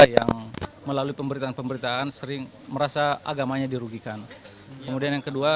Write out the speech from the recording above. yang melalui pemberitaan pemberitaan sering merasa agamanya dirugikan kemudian yang kedua